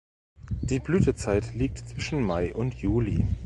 Die Blütezeit liegt zwischen Mai und Juli.